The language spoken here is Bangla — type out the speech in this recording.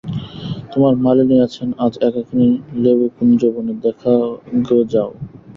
তোমার মালিনী আছেন আজ একাকিনী নেবুকুঞ্জবনে, দেখো গে যাও।